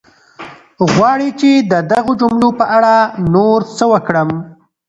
غواړې چې د دغو جملو په اړه نور څه وکړم؟